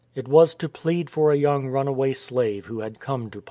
It was to plead for a young runaway slave who had come to Paul.